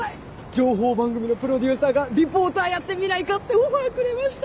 情報番組のプロデューサーが「リポーターやってみないか」ってオファーくれました！